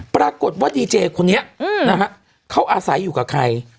ปรากฏว่าดีเจคนนี้นะฮะเขาอาศัยอยู่กับใคร